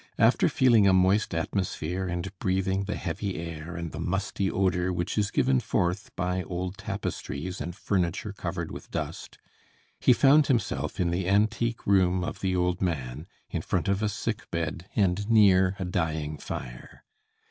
After feeling a moist atmosphere and breathing the heavy air and the musty odor which is given forth by old tapestries and furniture covered with dust, he found himself in the antique room of the old man, in front of a sick bed and near a dying fire.